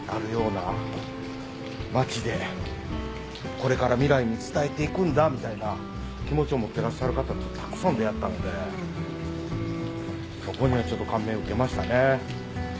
これから未来に伝えていくんだみたいな気持ちを持ってらっしゃる方とたくさん出会ったのでそこにはちょっと感銘を受けましたね。